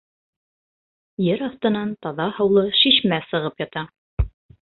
Ер аҫтынан таҙа һыулы шишмә сығып ята.